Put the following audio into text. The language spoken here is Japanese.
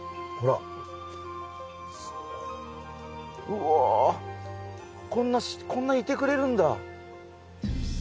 うわこんないてくれるんだ。